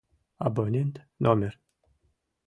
Абонент номер...»